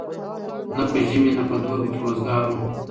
نه په ژمي نه په دوبي کي وزګار وو